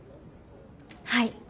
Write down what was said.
はい。